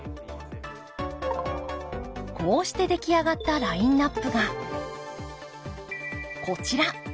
こうして出来上がったラインナップがこちら。